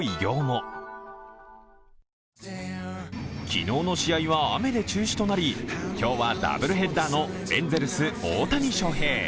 昨日の試合は雨で中止となり今日はダブルヘッダーのエンゼルス・大谷翔平。